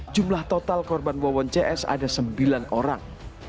jumlah total korban wawon cs ada sembilan orang